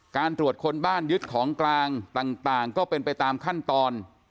การตรวจคนบ้านยึดของกลางต่างก็เป็นไปตามขั้นตอน